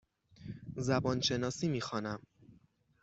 زبان شناسی می خوانم.